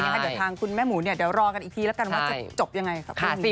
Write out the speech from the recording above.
เดี๋ยวทางคุณแม่หมูเดี๋ยวรอกันอีกทีแล้วกันว่าจะจบยังไงกับคุณซี่